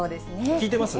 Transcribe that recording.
聞いてます？